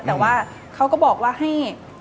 แต่ว่าเขาก็บอกว่าให้